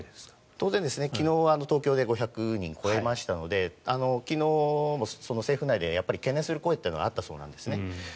当然、昨日東京で５００人を超えましたので昨日も政府内では懸念する声があったそうなんですね。